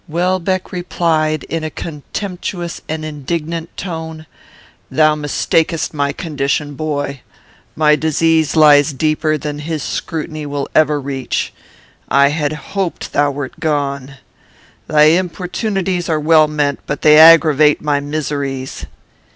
Welbeck replied, in a contemptuous and indignant tone, "Thou mistakest my condition, boy. My disease lies deeper than his scrutiny will ever reach. I had hoped thou wert gone. Thy importunities are well meant, but they aggravate my miseries."